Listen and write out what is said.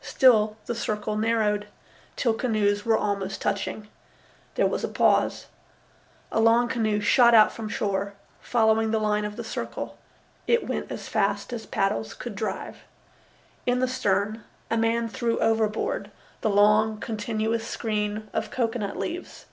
Still the circle narrowed, till canoes were almost touching. There was a pause. A long canoe shot out from shore, following the line of the circle. It went as fast as paddles could drive. In the stern a man threw overboard the long, continuous screen of cocoanut leaves.